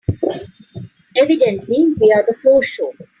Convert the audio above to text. Evidently we're the floor show.